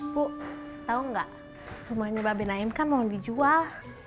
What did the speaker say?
bu tahu enggak semuanya babin aym kan mau dijual